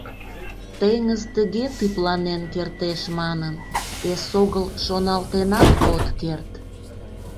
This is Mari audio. Теҥыз тыге тыпланен кертеш манын, эсогыл шоналтенат от керт.